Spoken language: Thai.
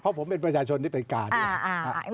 เพราะผมเป็นประชาชนที่ไปกาด้วย